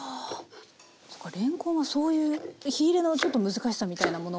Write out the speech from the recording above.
れんこんはそういう火入れのちょっと難しさみたいなものが。